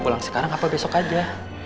pulang sekarang apa besok aja